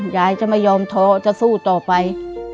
ยายจะไม่ยอมท้อจะสู้ต่อไป